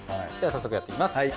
では早速やっていきます。